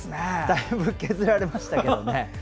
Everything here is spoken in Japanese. だいぶ削られましたけどね。